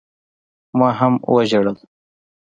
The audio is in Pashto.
ما هم وجړل.